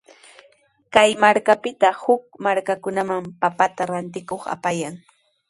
Kay markapita huk markakunaman papata rantikuq apayan.